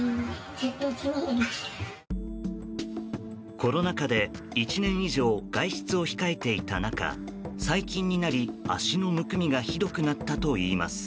コロナ禍で１年以上外出を控えていた中最近になり、足のむくみがひどくなったといいます。